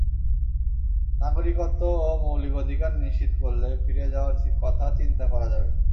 নাগরিকত্ব ও মৌলিক অধিকার নিশ্চিত করলে ফিরে যাওয়ার কথা চিন্তা করা যাবে।